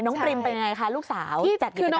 น้องปริมเป็นอย่างไรคะลูกสาวจัดกิจกรรมไหม